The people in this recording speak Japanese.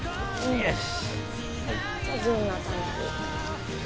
よし。